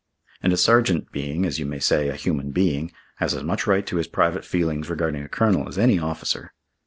And a Sergeant, being, as you may say, a human being, has as much right to his private feelings regarding a Colonel as any officer."